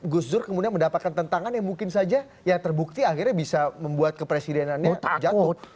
gusdur kemudian mendapatkan tantangan yang mungkin saja yang terbukti akhirnya bisa membuat kepresidenannya jatuh